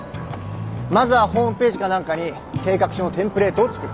まずはホームページか何かに計画書のテンプレートを作る。